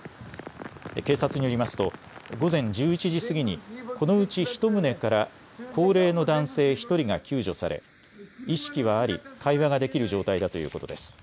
警察によりますと午前１１時過ぎにこのうち１棟から高齢の男性１人が救助され意識はあり会話ができる状態だということです。